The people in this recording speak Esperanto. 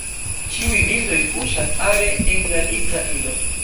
Ĉiuj bildoj kuŝas are en la ligna ilo.